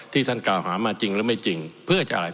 ท่านกล่าวหามาจริงหรือไม่จริงเพื่อจะอะไร